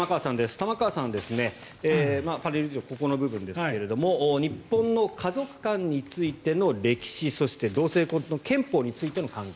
玉川さんはパネル、ここの部分ですが日本の家族観についての歴史そして同性婚の憲法についての関係。